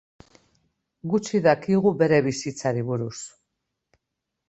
Gutxi dakigu bere bizitzari buruz.